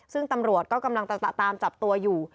ซึ่งตำรวจก็กำลังตามจับตัวอยู่